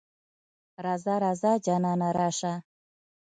راځه ـ راځه جانانه راشه.